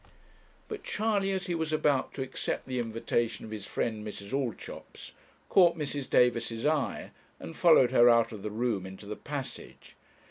But Charley, as he was about to accept the invitation of his friend Mrs. Allchops, caught Mrs. Davis's eye, and followed her out of the room into the passage.